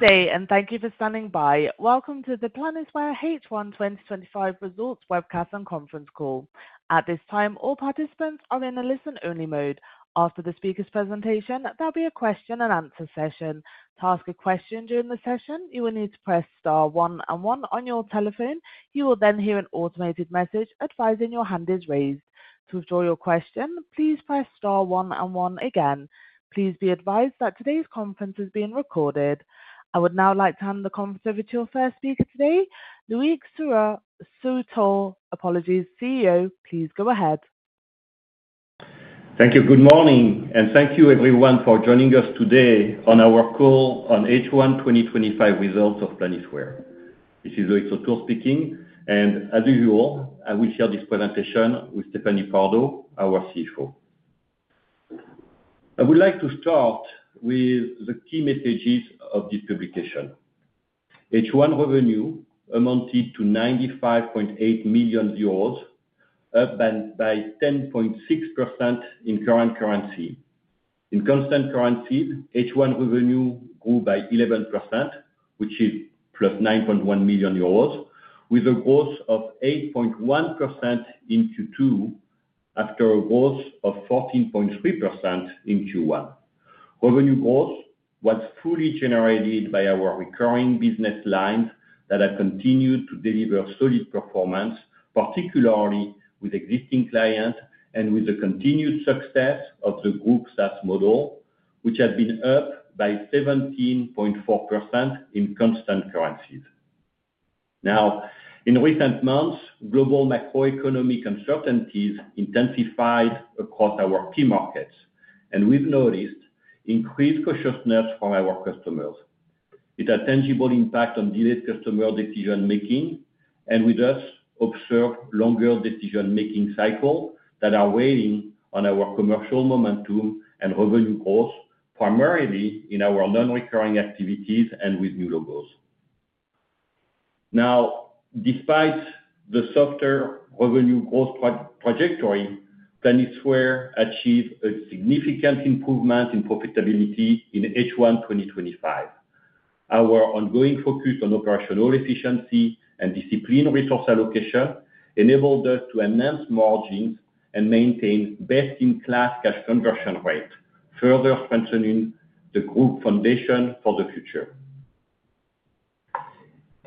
Day and thank you for standing by. Welcome to the Planisware H1 2025 Results Webcast and Conference Call. At this time, all participants are in a listen-only mode. After the speaker's presentation, there'll be a question and answer session. To ask a question during the session, you will need to press star one and one on your telephone. You will then hear an automated message advising your hand is raised. To withdraw your question, please press star one and one again. Please be advised that today's conference is being recorded. I would now like to hand the conference over to our first speaker today, Loïc Sautour, CEO. Please go ahead. Thank you. Good morning, and thank you everyone for joining us today on our call on H1 2025 Results of Planisware. This is Loïc Sautour speaking, and as usual, I will share this presentation with Stéphanie Pardo, our CFO. I would like to start with the key messages of this publication. H1 revenue amounted to 95.8 million euros, up by 10.6% in current currency. In constant currency, H1 revenue grew by 11%, which is +9.1 million euros, with a growth of 8.1% in Q2 after a growth of 14.3% in Q1. Revenue growth was fully generated by our recurring business lines that have continued to deliver solid performance, particularly with existing clients and with the continued success of the group SaaS model, which has been up by 17.4% in constant currency. In recent months, global macroeconomic uncertainties intensified across our key markets, and we've noticed increased cautiousness from our customers. It had a tangible impact on delayed customer decision-making, and we observed longer decision-making cycles that are weighing on our commercial momentum and revenue growth, primarily in our non-recurring activities and with new logos. Despite the softer revenue growth trajectory, Planisware achieved a significant improvement in profitability in H1 2025. Our ongoing focus on operational efficiency and disciplined resource allocation enabled us to enhance margins and maintain best-in-class cash conversion rates, further strengthening the group foundation for the future.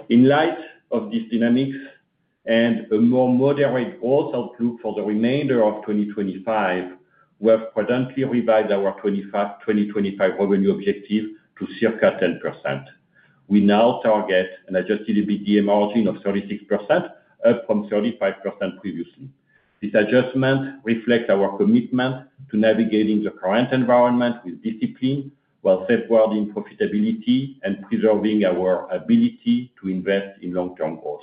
In light of these dynamics and a more moderate outlook for the remainder of 2025, we have predominantly revised our 2025 revenue objective to circa 10%. We now target an adjusted EBITDA margin of 36%, up from 35% previously. This adjustment reflects our commitment to navigating the current environment with discipline while safeguarding profitability and preserving our ability to invest in long-term growth.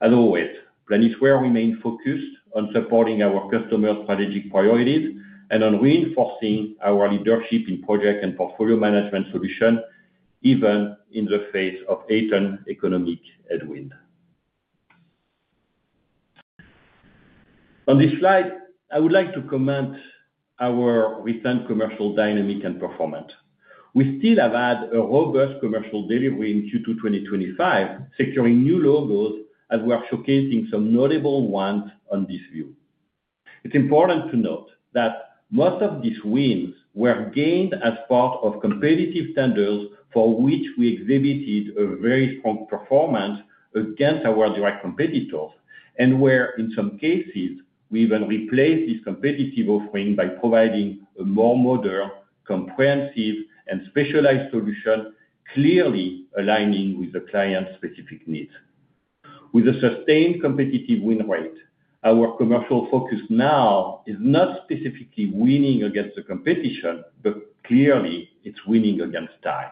As always, Planisware remains focused on supporting our customer strategic priorities and on reinforcing our leadership in project and portfolio management solutions, even in the face of a tight economic headwind. On this slide, I would like to comment on our recent commercial dynamics and performance. We still have had a robust commercial delivery in Q2 2025, securing new logos as we are showcasing some notable ones on this view. It's important to note that most of these wins were gained as part of competitive standards for which we exhibited a very strong performance against our direct competitors and where, in some cases, we even replaced this competitive offering by providing a more modern, comprehensive, and specialized solution, clearly aligning with the client's specific needs. With a sustained competitive win rate, our commercial focus now is not specifically winning against the competition, but clearly, it's winning against time.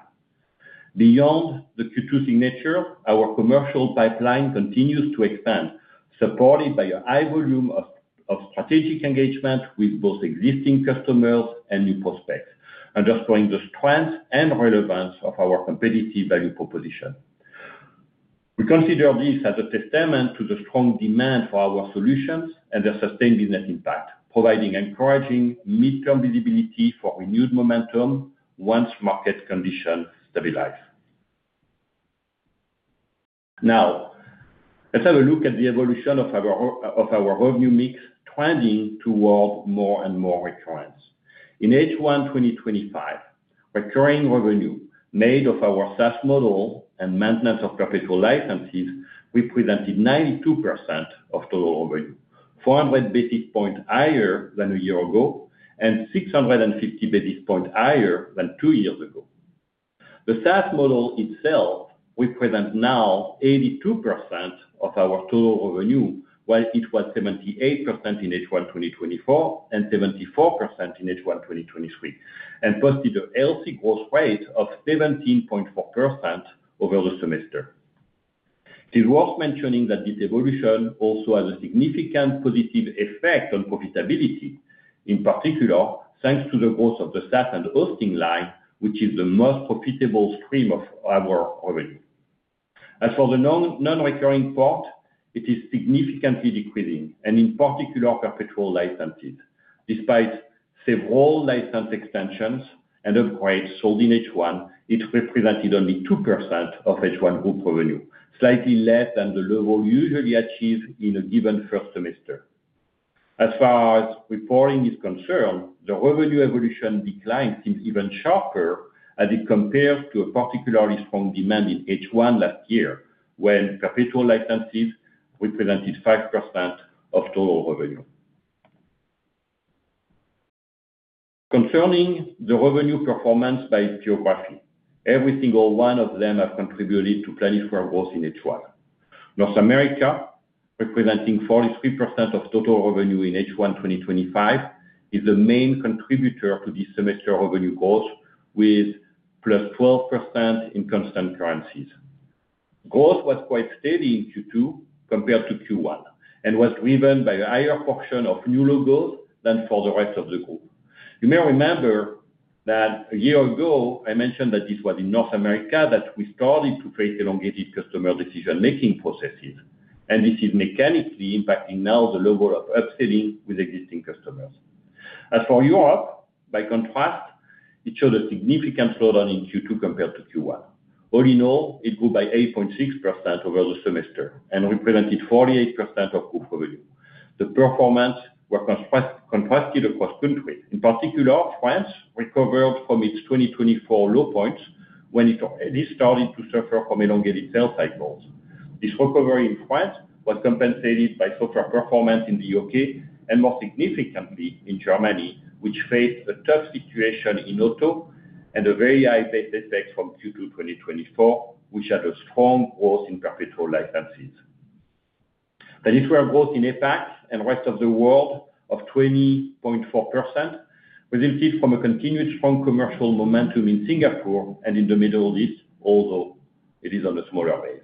Beyond the Q2 signature, our commercial pipeline continues to expand, supported by a high volume of strategic engagement with both existing customers and new prospects, underscoring the strength and relevance of our competitive value proposition. We consider this as a testament to the strong demand for our solutions and their sustained business impact, providing encouraging mid-term visibility for renewed momentum once market conditions stabilize. Now, let's have a look at the evolution of our revenue mix, trending toward more and more recurrence. In H1 2025, recurring revenue made of our SaaS model and maintenance of perpetual licenses represented 92% of total revenue, 400 basis points higher than a year ago, and 650 basis points higher than two years ago. The SaaS model itself represents now 82% of our total revenue, while it was 78% in H1 2024 and 74% in H1 2023, and posted a healthy growth rate of 17.4% over the semester. It is worth mentioning that this evolution also has a significant positive effect on profitability, in particular thanks to the growth of the SaaS & Hosting line, which is the most profitable stream of our revenue. As for the non-recurring part, it is significantly decreasing, and in particular perpetual licenses. Despite several license expansions and upgrades sold in H1, it represented only 2% of H1 group revenue, slightly less than the level usually achieved in a given first semester. As far as reporting is concerned, the revenue evolution declined even sharper as it compares to a particularly strong demand in H1 last year, when perpetual licenses represented 5% of total revenue. Concerning the revenue performance by geography, every single one of them has contributed to Planisware growth in H1. North America, representing 43% of total revenue in H1 2025, is the main contributor to this semester revenue growth, with +12% in constant currency. Growth was quite steady in Q2 compared to Q1 and was driven by a higher portion of new logos than for the rest of the group. You may remember that a year ago, I mentioned that it was in North America that we started to face elongated customer decision-making processes, and this is mechanically impacting now the level of upselling with existing customers. As for Europe, by contrast, it showed a significant slowdown in Q2 compared to Q1. All in all, it grew by 8.6% over the semester and represented 48% of group revenue. The performance was contrasted across countries. In particular, France recovered from its 2024 low points when it started to suffer from elongated sales cycles. This recovery in France was compensated by softer performance in the U.K. and more significantly in Germany, which faced a tough situation in autumn and a very high pay effect from Q2 2024, which had a strong growth in perpetual licenses. Planisware growth in APAC and the rest of the world of 20.4% resulted from a continued strong commercial momentum in Singapore and in the Middle East, although it is on a smaller base.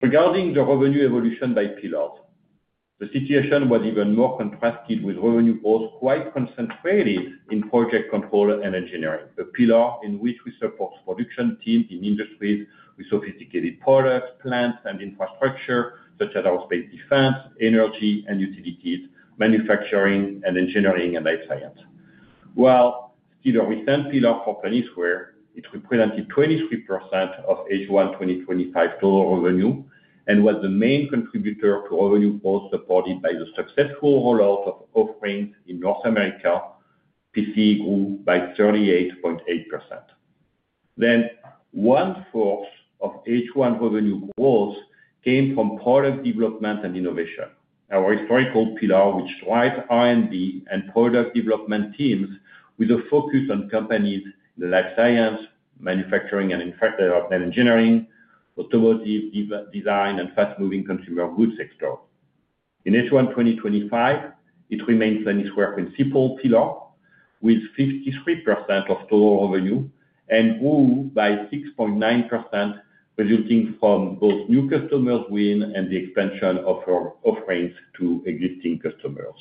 Regarding the revenue evolution by pillar, the situation was even more contrasted with revenue growth quite concentrated in project control and engineering, a pillar in which we support production teams in industries with sophisticated products, plants, and infrastructure, such as aerospace defense, energy and utilities, manufacturing, engineering, and life science. While in a recent pillar for Planisware, it represented 23% of H1 2025 total revenue and was the main contributor to revenue growth supported by the successful rollout of offerings in North America, PC&E grew by 38.8%. One fourth of H1 revenue growth came from product development and innovation, our historical pillar which drives R&D and product development teams with a focus on companies in the life science, manufacturing, and infrastructure development engineering, automotive design, and fast-moving consumer goods sector. In H1 2025, it remains Planisware's principal pillar with 53% of total revenue and grew by 6.9%, resulting from both new customers' wins and the expansion of our offerings to existing customers.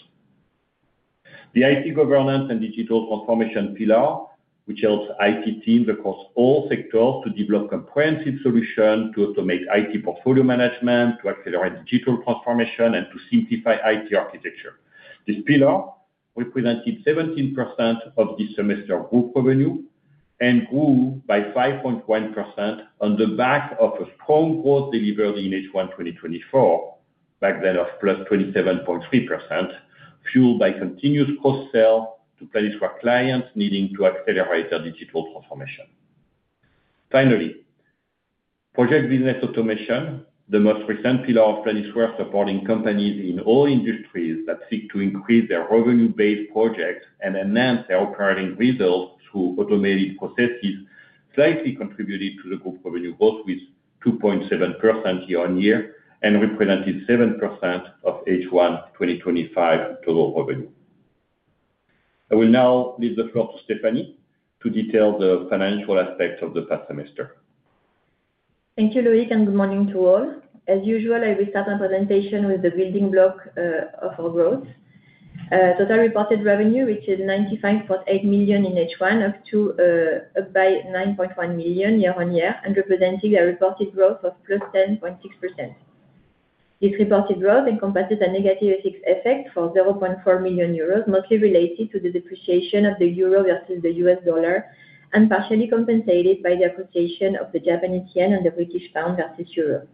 The IT governance and digital transformation pillar, which helps IT teams across all sectors to develop comprehensive solutions to automate IT portfolio management, to accelerate digital transformation, and to simplify IT architecture. This pillar represented 17% of this semester group revenue and grew by 5.1% on the back of a strong growth delivered in H1 2024, back then of +27.3%, fueled by continuous cross-sell to Planisware clients needing to accelerate their digital transformation. Finally, project business automation, the most recent pillar of Planisware supporting companies in all industries that seek to increase their revenue-based projects and enhance their operating results through automated processes, slightly contributed to the group revenue growth with 2.7% year on year and represented 7% of H1 2025 total revenue. I will now leave the floor to Stéphanie to detail the financial aspects of the first semester. Thank you, Loïc, and good morning to all. As usual, I will start my presentation with the building block of our growth. Total reported revenue, which is 95.8 million in H1, up by 9.1 million year on year, and representing a reported growth of +10.6%. This reported growth encompasses a negative effect for 0.4 million euros, mostly related to the depreciation of the euro versus the U.S. dollar and partially compensated by the appreciation of the Japanese yen and the British pound versus euro.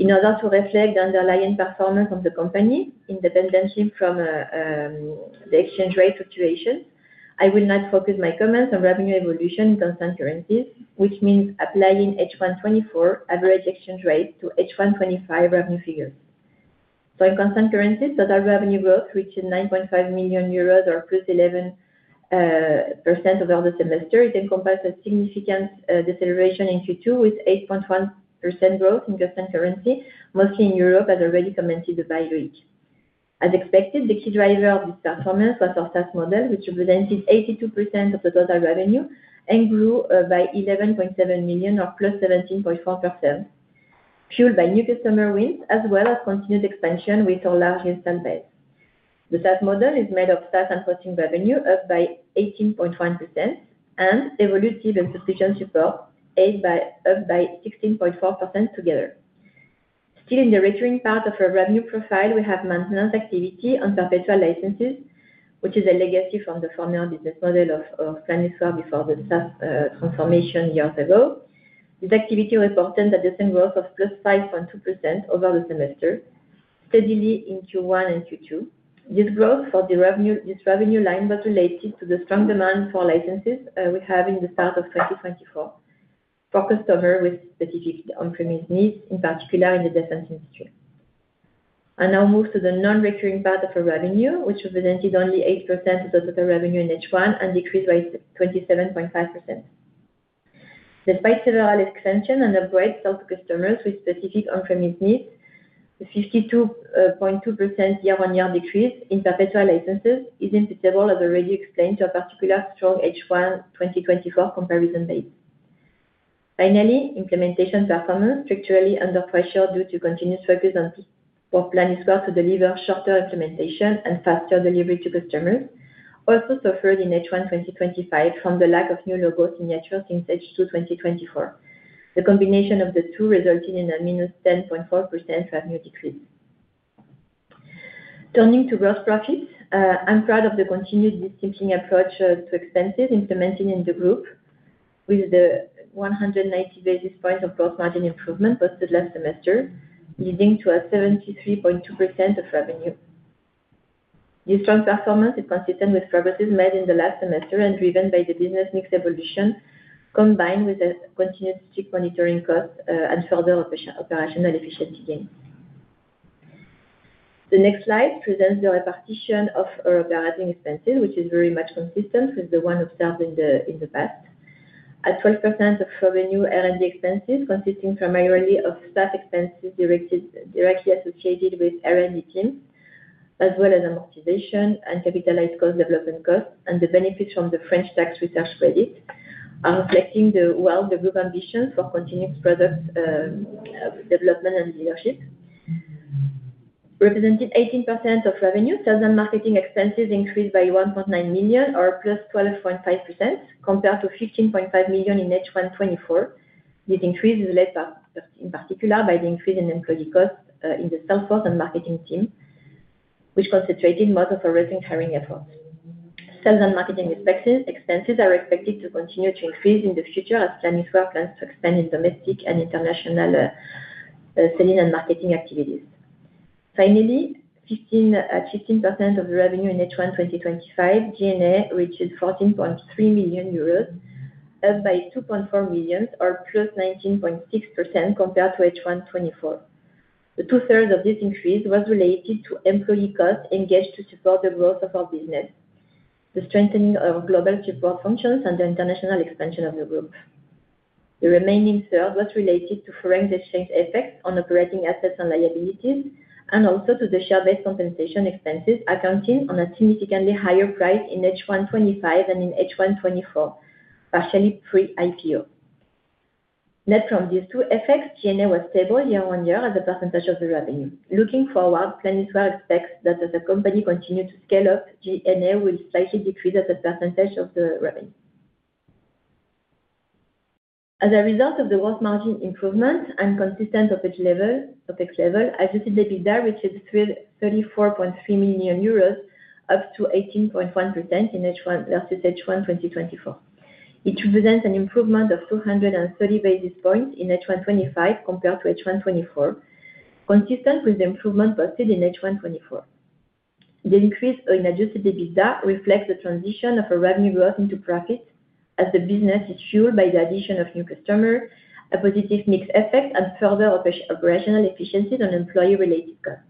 In order to reflect the underlying performance of the company, independently from the exchange rate fluctuations, I will now focus my comments on revenue evolution in constant currency, which means applying H1 2024 average exchange rate to H1 2025 revenue figure. In constant currency, total revenue growth, which is 9.5 million euros or +11% over the semester, is encompassed by a significant deceleration in Q2 with 8.1% growth in constant currency, mostly in Europe, as already commented by Loïc. As expected, the key driver of this performance was our SaaS model, which represented 82% of the total revenue and grew by 11.7 million or +17.4%, fueled by new customer wins, as well as continued expansion with our large install base. The SaaS model is made of SaaS & Hosting revenue up by 18.1% and evolutive and sufficient support, up by 16.4% together. Still in the recurring part of our revenue profile, we have maintenance activity on perpetual licenses, which is a legacy from the former business model of Planisware before the SaaS transformation years ago. This activity reported a decent growth of +5.2% over the semester, steadily in Q1 and Q2. This growth for this revenue line was related to the strong demand for licenses we have in the start of 2024 for customers with specific on-premise needs, in particular in the defense industry. I now move to the non-recurring part of our revenue, which represented only 8% of the total revenue in H1 and decreased by 27.5%. Despite several expansions and upgrades sold to customers with specific on-premise needs, the 52.2% year-on-year decrease in perpetual licenses is imputable, as already explained, to a particularly strong H1 2024 comparison base. Finally, implementation performance, structurally under pressure due to continuous focus on Planisware to deliver shorter implementation and faster delivery to customers, also suffered in H1 2025 from the lack of new logo signatures since H2 2024. The combination of the two resulted in a -10.4% revenue decrease. Turning to gross profits, I'm proud of the continued disciplined approach to expenses implemented in the group, with the 190 basis points of gross margin improvement posted last semester, leading to a 73.2% of revenue. This strong performance is consistent with progresses made in the last semester and driven by the business mix evolution, combined with a continuous check monitoring cost and further operational efficiency gains. The next slide presents the repartition of our operating expenses, which is very much consistent with the one observed in the past. At 12% of revenue, R&D expenses consisting primarily of staff expenses directly associated with R&D teams, as well as amortization and capitalized development costs and the benefits from the French tax research credit, are reflecting the group ambition for continuous product development and leadership. Representing 18% of revenue, sales and marketing expenses increased by 1.9 million or +12.5% compared to 15.5 million in H1 2024. This increase is led, in particular, by the increase in employee costs in the sales force and marketing team, which concentrated most of our recent hiring efforts. Sales and marketing expenses are expected to continue to increase in the future as Planisware plans to expand its domestic and international selling and marketing activities. Finally, at 15% of revenue in H1 2025, G&A reached 14.3 million euros, up by 2.4 million or +19.6% compared to H1 2024. Two-thirds of this increase was related to employee costs engaged to support the growth of our business, the strengthening of our global support functions, and the international expansion of the group. The remaining third was related to foreign exchange effects on operating assets and liabilities, and also to the share-based compensation expenses accounting on a significantly higher price in H1 2025 than in H1 2024, partially pre-IPO. Not from these two effects, G&A was stable year on year as a percentage of the revenue. Looking forward, Planisware expects that as the company continues to scale up, G&A will slightly decrease as a percentage of the revenue. As a result of the gross margin improvement and consistent level of expenses, adjusted EBITDA reached 34.3 million euros, up to 18.1% in H1 versus H1 2024. It represents an improvement of 230 basis points in H1 2025 compared to H1 2024, consistent with the improvement posted in H1 2024. The increase in adjusted EBITDA reflects the transition of a revenue growth into profit as the business is fueled by the addition of new customers, a positive mix effect, and further operational efficiencies on employee-related costs.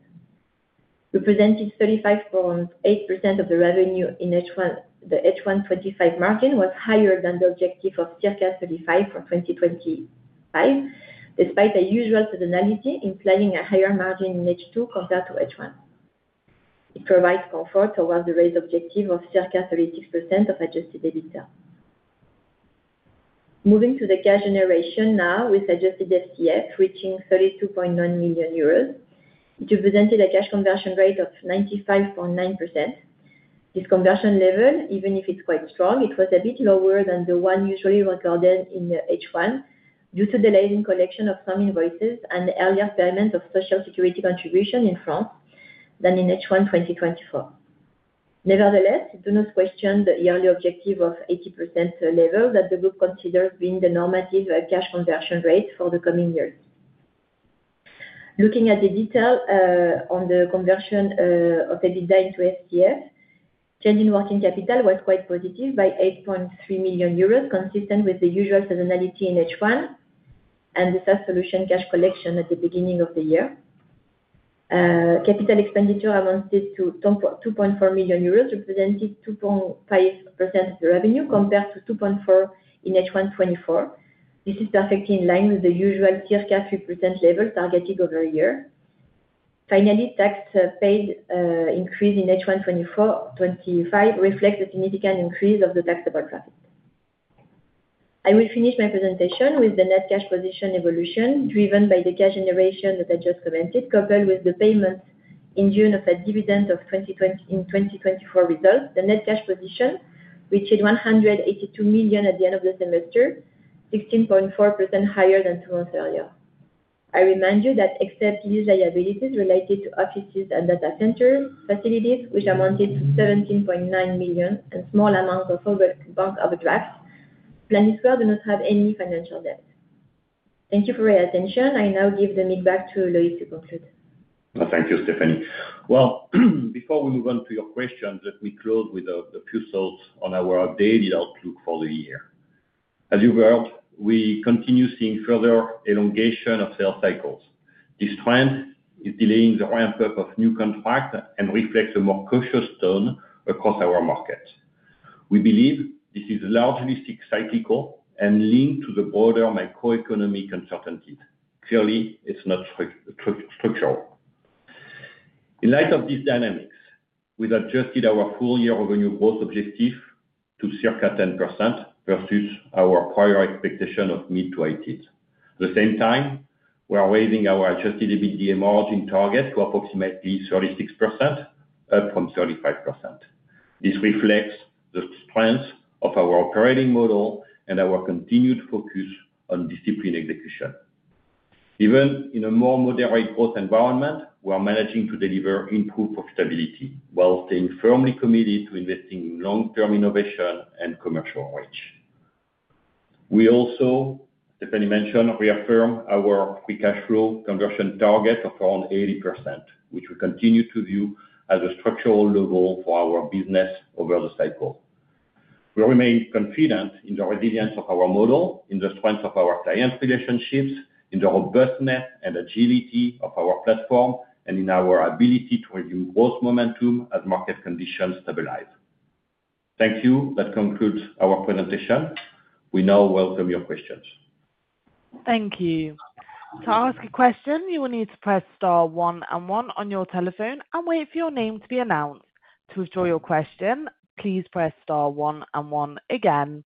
Representing 35.8% of the revenue in H1, the H1 2025 margin was higher than the objective of circa 35% for 2025, despite a usual stability implying a higher margin in H2 compared to H1. It provides comfort toward the raised objective of circa 36% of adjusted EBITDA. Moving to the cash generation now with adjusted FCF reaching 32.9 million euros, it represented a cash conversion rate of 95.9%. This conversion level, even if it's quite strong, was a bit lower than the one usually recorded in H1 due to delays in collection of some invoices and earlier payments of Social Security contributions in France than in H1 2024. Nevertheless, it does not question the yearly objective of 80% level that the group considers being the normative cash conversion rate for the coming year. Looking at the detail on the conversion of EBITDA into FCF, change in working capital was quite positive by 8.3 million euros, consistent with the usual stability in H1 and the SaaS solution cash collection at the beginning of the year. Capital expenditure amounted to 2.4 million euros, representing 2.5% of the revenue compared to 2.4% in H1 2024. This is perfectly in line with the usual circa 3% level targeted over a year. Finally, tax paid increase in H1 2025 reflects a significant increase of the taxable profit. I will finish my presentation with the net cash position evolution driven by the cash generation that I just commented, coupled with the payment in June of a dividend of 2020 in 2024 results. The net cash position reached 182 million at the end of the semester, 16.4% higher than two months earlier. I remind you that except these liabilities related to offices and data center facilities, which amounted to 17.9 million and small amounts of bank overdraft, Planisware does not have any financial debt. Thank you for your attention. I now give the mic back to Loïc to conclude. Thank you, Stéphanie. Before we move on to your questions, let me close with a few thoughts on our updated outlook for the year. As you've heard, we continue seeing further elongation of sales cycles. This trend is delaying the ramp-up of new contracts and reflects a more cautious tone across our markets. We believe this is largely cyclical and linked to the broader macroeconomic uncertainties. Clearly, it's not structural. In light of these dynamics, we've adjusted our full-year revenue growth objective to circa 10% versus our prior expectation of mid to eighties. At the same time, we're raising our adjusted EBITDA margin target to approximately 36%, up from 35%. This reflects the strength of our operating model and our continued focus on discipline execution. Even in a more moderate growth environment, we're managing to deliver improved profitability while staying firmly committed to investing in long-term innovation and commercial reach. We also, as Stéphanie mentioned, reaffirmed our free cash flow conversion target of around 80%, which we continue to view as a structural level for our business over the cycle. We remain confident in the resilience of our model, in the strength of our client relationships, in the robustness and agility of our platform, and in our ability to resume growth momentum as market conditions stabilize. Thank you. That concludes our presentation. We now welcome your questions. Thank you. To ask a question, you will need to press star one and one on your telephone and wait for your name to be announced. To withdraw your question, please press star one and one again.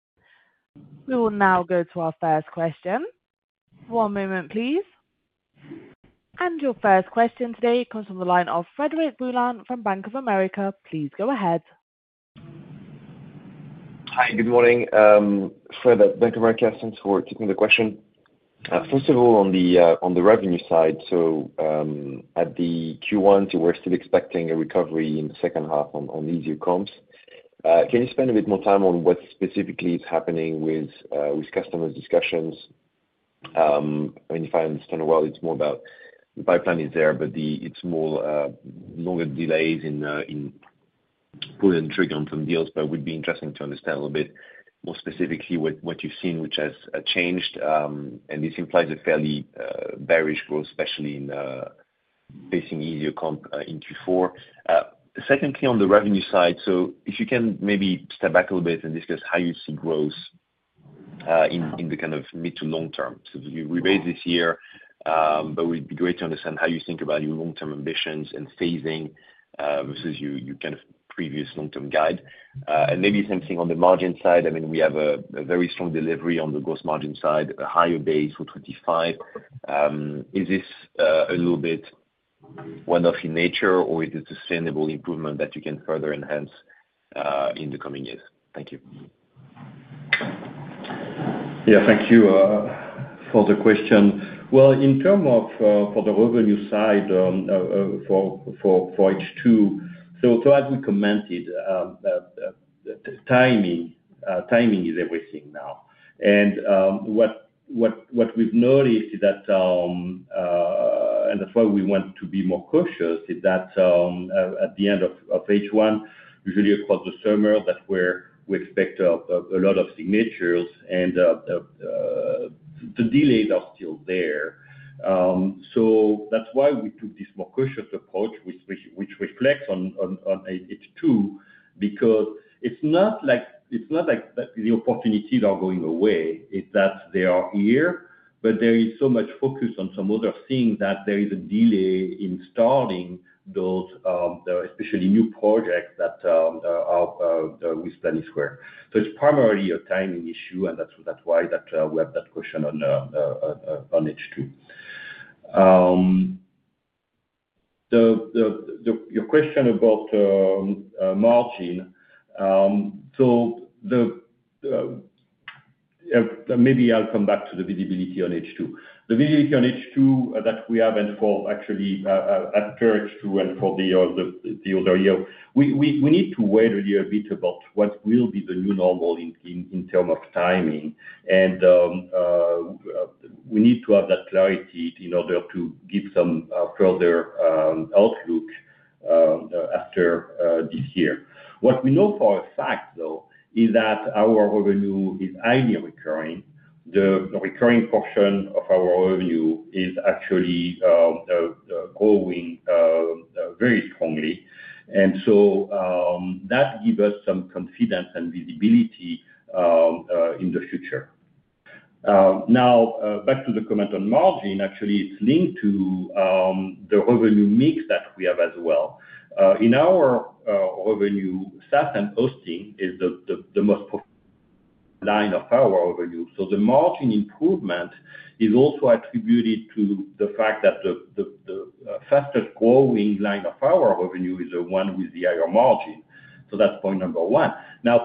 We will now go to our first question. One moment, please. Your first question today comes from the line of Frederic Boulan from Bank of America. Please go ahead. Hi, good morning. Fred at Bank of America, thanks for taking the question. First of all, on the revenue side, at the Q1, we're still expecting a recovery in the second half on easier comps. Can you spend a bit more time on what specifically is happening with customer discussions? I mean, if I understand well, it's more about the pipeline is there, but it's more, longer delays in pulling the trigger on some deals, but it would be interesting to understand a little bit more specifically what you've seen, which has changed. This implies a fairly bearish growth, especially in facing easier comp in Q4. Secondly, on the revenue side, if you can maybe step back a little bit and discuss how you see growth in the kind of mid to long term. We raised this year, but it would be great to understand how you think about your long-term ambitions and phasing versus your kind of previous long-term guide. Maybe the same thing on the margin side. I mean, we have a very strong delivery on the gross margin side, a higher base for 2025. Is this a little bit one-off in nature, or is it a sustainable improvement that you can further enhance in the coming years? Thank you. Thank you for the question. In terms of the revenue side for H2, as we commented, timing is everything now. What we've noticed is that, and that's why we want to be more cautious, at the end of H1, usually across the summer, that's where we expect a lot of signatures, and the delays are still there. That's why we took this more cautious approach, which reflects on H2 because it's not like the opportunities are going away. They are here, but there is so much focus on some other things that there is a delay in starting those, especially new projects with Planisware. It's primarily a timing issue, and that's why we have that question on H2. Your question about margin, maybe I'll come back to the visibility on H2. The visibility on H2 that we have and for after H2 and for the other year, we need to weigh a little bit about what will be the new normal in terms of timing, and we need to have that clarity in order to give some further outlook after this year. What we know for a fact, though, is that our revenue is highly recurring. The recurring portion of our revenue is actually growing very strongly, and that gives us some confidence and visibility in the future. Now, back to the comment on margin, actually, it's linked to the revenue mix that we have as well. In our revenue, SaaS & Hosting is the most profitable line of our revenue. The margin improvement is also attributed to the fact that the fastest growing line of our revenue is the one with the higher margin. That's point number one.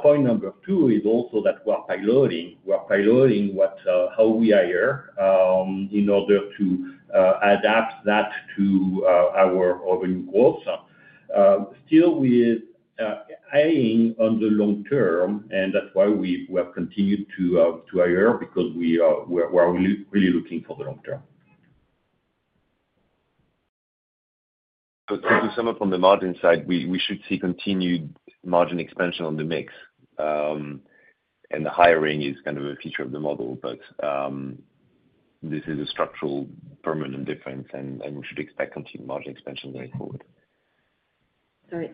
Point number two is also that we're piloting how we hire in order to adapt that to our revenue growth. Still, we're eyeing on the long term, and that's why we've continued to hire because we are really looking for the long term. To sum up on the margin side, we should see continued margin expansion on the mix. The hiring is kind of a feature of the model, but this is a structural permanent difference, and we should expect continued margin expansion going forward. Sorry.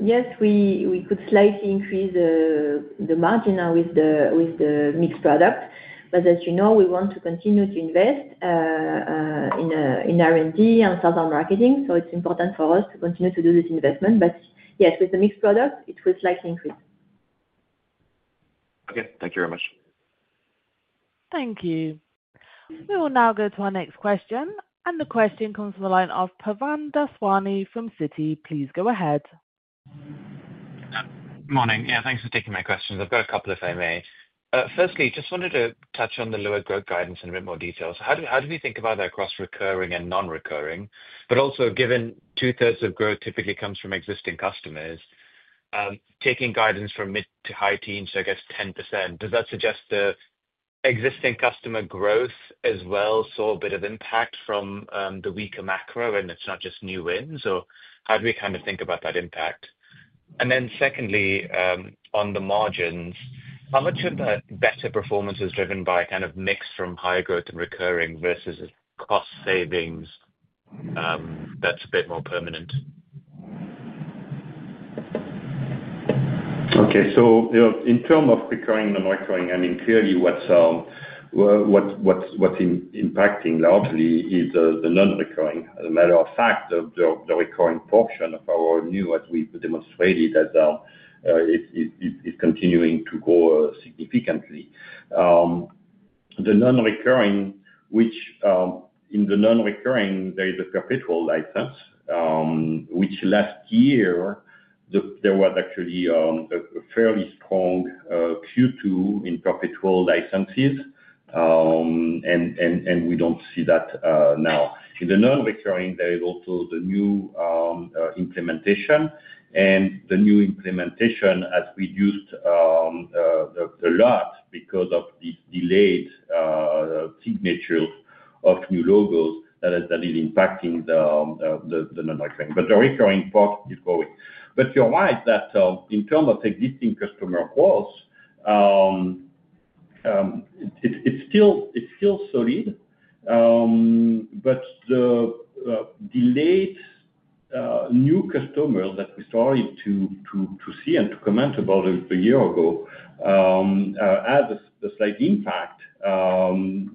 Yes, we could slightly increase the margin now with the mixed product. As you know, we want to continue to invest in R&D and sell our marketing. It's important for us to continue to do this investment. Yes, with the mixed product, it will slightly increase. Okay, thank you very much. Thank you. We will now go to our next question. The question comes from the line of Pavan Daswani from Citi. Please go ahead. Morning. Yeah, thanks for taking my questions. I've got a couple if I may. Firstly, I just wanted to touch on the lower growth guidance in a bit more detail. How do we think about that across recurring and non-recurring? Also, given two-thirds of growth typically comes from existing customers, taking guidance from mid to high teens, so I guess 10%, does that suggest the existing customer growth as well saw a bit of impact from the weaker macro and it's not just new wins? How do we kind of think about that impact? Secondly, on the margins, how much of that better performance is driven by a kind of mix from high growth and recurring versus cost savings that's a bit more permanent. Okay. In terms of recurring and non-recurring, what's impacting largely is the non-recurring. As a matter of fact, the recurring portion of our new, as we've demonstrated, is continuing to grow significantly. The non-recurring, which in the non-recurring, there is a perpetual license, which last year, there was actually a fairly strong Q2 in perpetual licenses. We don't see that now. In the non-recurring, there is also the new implementation. The new implementation has reduced a lot because of the delayed signatures of new logos that is impacting the non-recurring. The recurring part is going. You're right that in terms of existing customer growth, it's still solid. The delayed new customers that we started to see and to comment about a year ago have a slight impact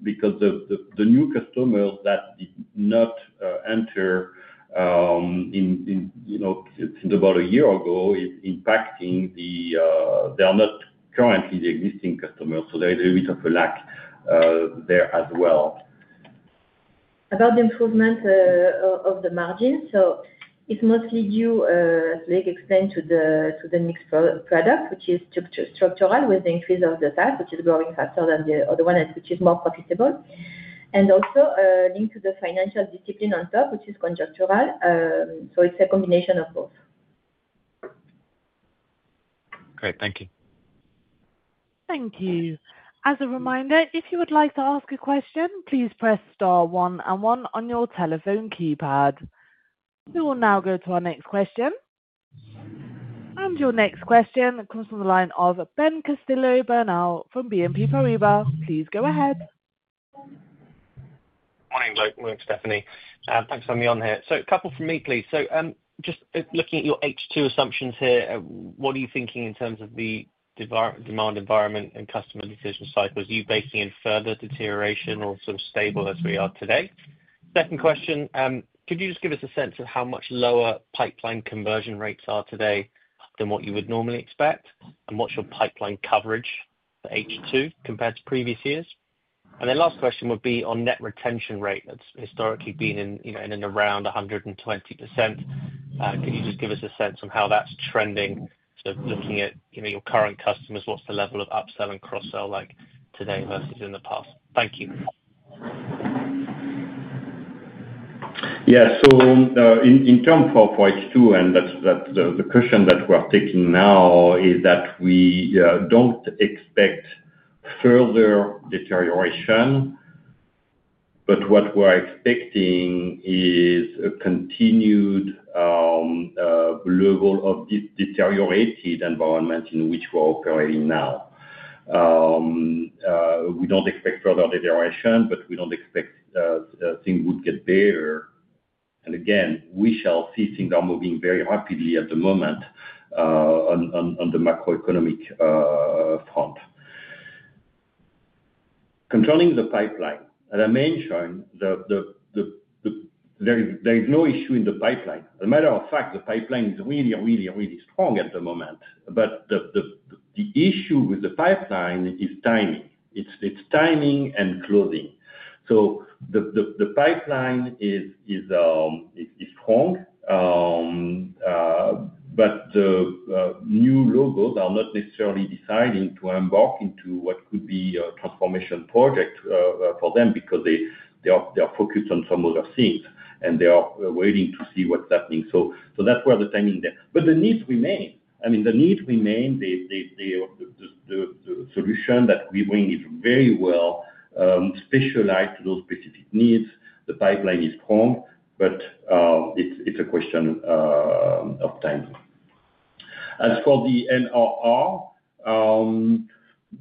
because the new customers that did not enter since about a year ago is impacting the they are not currently the existing customers. There is a little bit of a lack there as well. About the improvement of the margin, it's mostly due, as Loïc explained, to the mixed product, which is structural with the increase of the SaaS, which is growing faster than the other one, which is more profitable. It's also linked to the financial discipline on top, which is conjectural. It's a combination of both. Great. Thank you. Thank you. As a reminder, if you would like to ask a question, please press star one and one on your telephone keypad. We will now go to our next question. Your next question comes from the line of Ben Castillo-Bernaus from BNP Paribas. Please go ahead. Morning, Loïc. Welcome to Stéphanie. Thanks for having me on here. A couple from me, please. Just looking at your H2 assumptions here, what are you thinking in terms of the demand environment and customer decision cycles? Are you basing it on further deterioration or sort of stable as we are today? Could you just give us a sense of how much lower pipeline conversion rates are today than what you would normally expect? What's your pipeline coverage for H2 compared to previous years? The last question would be on net retention rate that's historically been in, you know, in and around 120%. Could you just give us a sense on how that's trending? Looking at your current customers, what's the level of upsell and cross-sell like today versus in the past? Thank you. Yeah. In terms of H2, that's the question that we're taking now. We don't expect further deterioration. What we're expecting is a continued level of deteriorated environment in which we're operating now. We don't expect further deterioration, but we don't expect things would get better. We shall see. Things are moving very rapidly at the moment on the macroeconomic front. Concerning the pipeline, as I mentioned, there is no issue in the pipeline. As a matter of fact, the pipeline is really, really, really strong at the moment. The issue with the pipeline is timing. It's timing and closing. The pipeline is strong, but the new logos are not necessarily deciding to embark into what could be a transformation project for them because they are focused on some other things, and they are waiting to see what's happening. That's where the timing is there. The needs remain. The needs remain. The solution that we bring is very well specialized to those specific needs. The pipeline is strong, but it's a question of timing. As for the net retention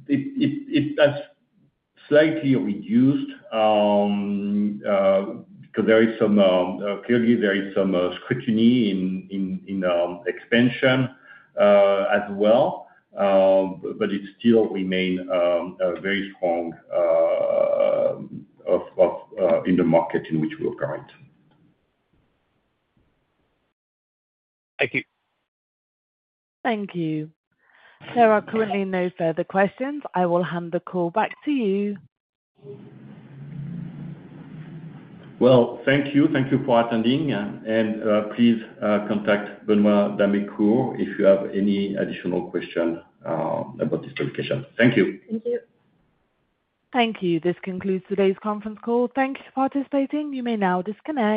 rates, it has slightly reduced because there is some, clearly, there is some scrutiny in expansion as well. It still remains very strong in the market in which we operate. Thank you. Thank you. There are currently no further questions. I will hand the call back to you. Thank you for attending. Please contact Benoit d'Amécourt if you have any additional questions about this publication. Thank you. Thank you. Thank you. This concludes today's conference call. Thank you for participating. You may now disconnect.